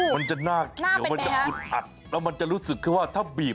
มันจะหน้าเกลียวมันจะอึดอัดแล้วมันจะรู้สึกคือว่าหน้าเป็นไงครับ